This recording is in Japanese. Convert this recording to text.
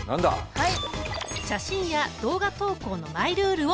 はい！